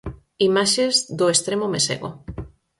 Imaxes do Estremo Mesego.